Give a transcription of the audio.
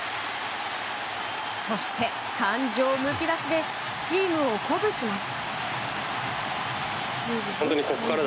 そして感情むき出しでチームを鼓舞します。